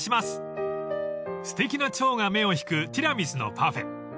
［すてきなチョウが目を引くティラミスのパフェ］